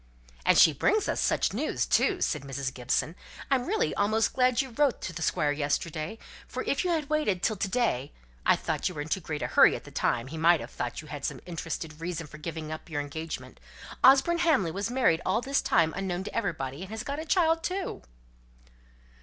"And she brings us such news too!" said Mrs. Gibson. "I'm really almost glad you wrote to the Squire yesterday, for if you had waited till to day I thought you were in too great a hurry at the time he might have thought you had some interested reason for giving up your engagement. Osborne Hamley was married all this time unknown to everybody, and has got a child too."